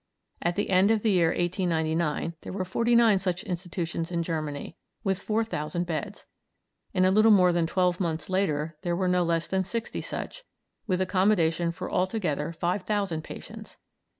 At the end of the year 1899 there were forty nine such institutions in Germany, with four thousand beds; in a little more than twelve months later there were no less than sixty such, with accommodation for altogether five thousand patients.